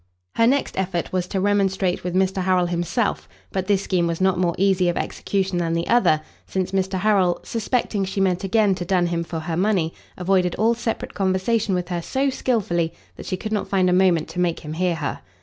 Her next effort was to remonstrate with Mr. Harrel himself; but this scheme was not more easy of execution than the other, since Mr. Harrel, suspecting she meant again to dun him for her money, avoided all separate conversation with her so skilfully, that she could not find a moment to make him hear her.